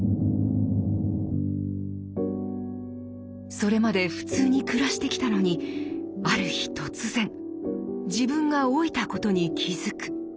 それまで普通に暮らしてきたのにある日突然自分が老いたことに気付く。